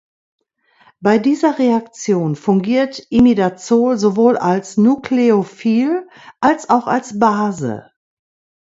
Bei dieser Reaktion fungiert Imidazol sowohl als Nukleophil als auch als Base.